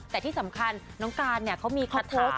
แต่ที่สำคัญน้องการเนี่ยเขามีคอสเทิร์ต